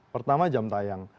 pertama jam tayang